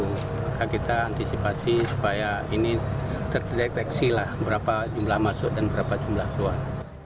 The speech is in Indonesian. maka kita antisipasi supaya ini terdeteksi lah berapa jumlah masuk dan berapa jumlah keluar